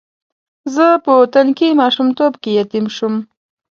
زه په تنکي ماشومتوب کې یتیم شوم.